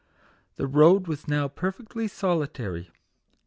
The road was, now perfectly solitary.